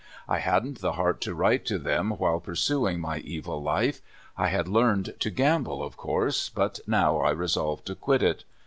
I hadn't the heart to w^ ite to them while pursuing my evil life. I had learned to gamble, of course, but now I resolved to quit it.